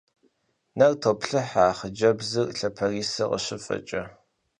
Нэр топлъызэ а хъыджбзыр лъапэрисэ къыщыфэкӏэ.